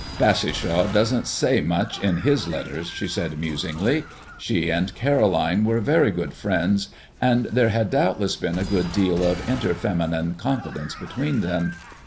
"Bassishaw doesn't say much in his letters," she said musingly. She and Caroline were very good friends, and there had doubtless been a good deal of inter feminine confidence between them.